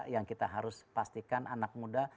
yang kita harus pastikan anak muda